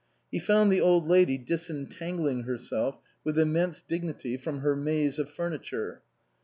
He found the Old Lady disentangling herself with immense dignity from her maze of furni ture.